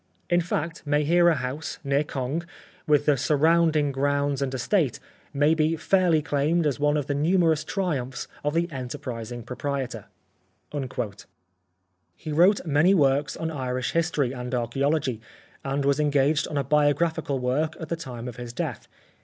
In fact, Mayhera House, near Cong, with the surrounding grounds and estate, may be fairly claimed as one of the numerous triumphs of the enterprising proprietor." He wrote many works on Irish history and archaeology, and was engaged on a biographical work at the time of his death.